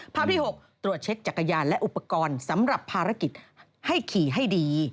ภาพที่๖ตรวจเช็คจักรยานและอุปกรณ์สำหรับภารกิจให้ขี่ให้ดี